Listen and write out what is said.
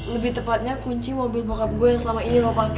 lebih tepatnya kunci mobil bokap gue yang selama ini lo pakai